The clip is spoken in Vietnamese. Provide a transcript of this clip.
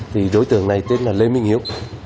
thì đối tượng này tên là lê minh hiếu